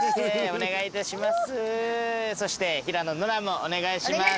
お願いいたします。